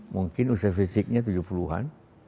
mungkin usia fisiknya tujuh puluh an